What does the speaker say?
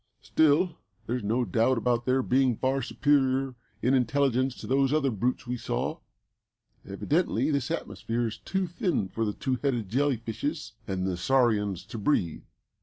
Still, there's no doubt about their being far superior in intelligence to those other brutes we saw. Evidently this atmosphere is too thin for the two headed jelly fishes and the saurians to breathe.